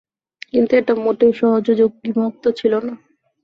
কিন্তু এটা মোটেও সহজ ও ঝুঁকিমুক্ত ছিল না।